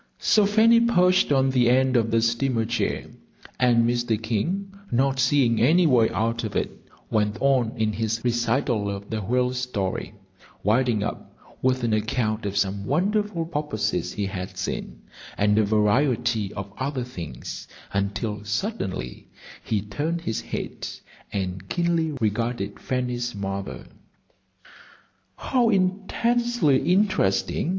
So Fanny perched on the end of the steamer chair, and Mr. King, not seeing any way out of it, went on in his recital of the whale story, winding up with an account of some wonderful porpoises he had seen, and a variety of other things, until suddenly he turned his head and keenly regarded Fanny's mother. "How intensely interesting!"